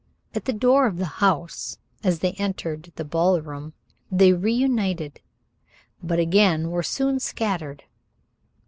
At the door of the house, as they entered the ballroom, they reunited, but again were soon scattered.